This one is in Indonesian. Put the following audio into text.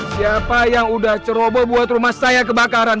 siapa yang udah ceroboh buat rumah saya kebakaran